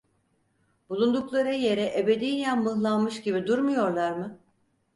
Bulundukları yere ebediyen mıhlanmış gibi durmuyorlar mı?